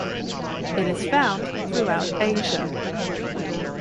It is found throughout Asia.